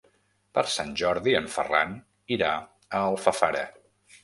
Per Sant Jordi en Ferran irà a Alfafara.